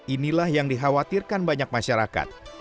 inilah yang dikhawatirkan banyak masyarakat